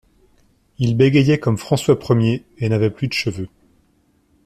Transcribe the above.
Il bégayait comme François Ier et n'avait plus de cheveux.